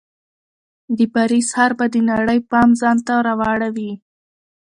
د پاریس ښار به د نړۍ پام ځان ته راواړوي.